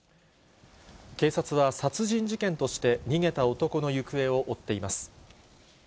警察は、殺人事件として、逃げた男の行方を追っています。